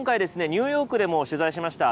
ニューヨークでも取材しました。